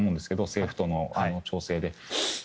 政府との調整で。